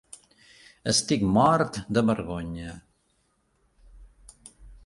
Estic mort de vergonya.